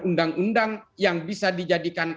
undang undang yang bisa dijadikan